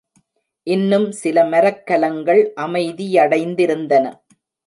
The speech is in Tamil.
இன்னும் சில மரக்கலங்கள் அமைதியடைந்திருந்தன.